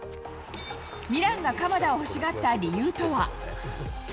ミランが鎌田を欲しがった理由とは。